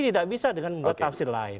tidak bisa dengan membuat tafsir lain